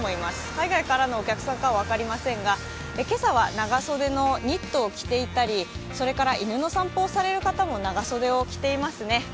海外からのお客さんか分かりませんが、今朝は長袖のニットを着ていたり、それから犬の散歩をされる方も長袖を着ていますね。